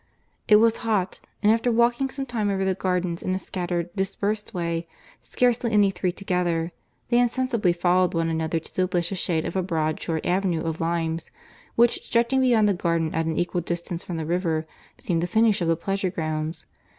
It was hot; and after walking some time over the gardens in a scattered, dispersed way, scarcely any three together, they insensibly followed one another to the delicious shade of a broad short avenue of limes, which stretching beyond the garden at an equal distance from the river, seemed the finish of the pleasure grounds.